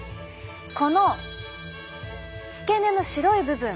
この付け根の白い部分。